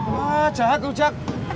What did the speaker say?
wah jahat lu jak